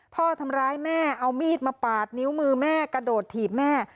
พ่อทำร้ายแม่เอามีดมาปาดนิ้วมือแม่กระโดดถีบแม่